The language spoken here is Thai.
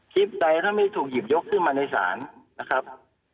ใดถ้าไม่ถูกหยิบยกขึ้นมาในศาลนะครับ